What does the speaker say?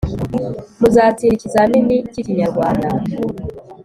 muzatsinda ikizamini k’ikinyarwanda